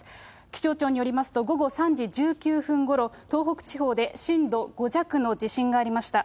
気象庁によりますと、午後３時１９分ごろ、東北地方で震度５弱の地震がありました。